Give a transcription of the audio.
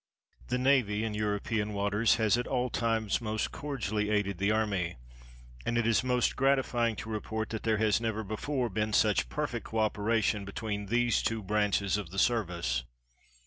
The navy in European waters has at all times most cordially aided the army, and it is most gratifying to report that there has never before been such perfect co operation between these two branches of the service.